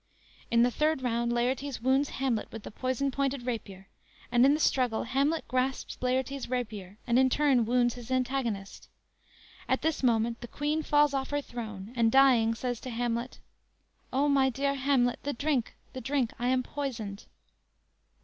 "_ In the third round Laertes wounds Hamlet with the poisoned pointed rapier, and in the struggle Hamlet grasps Laertes' rapier and in turn wounds his antagonist. At this moment the Queen falls off her throne, and dying, says to Hamlet: _"O, my dear Hamlet; the drink, the drink; I am poisoned!"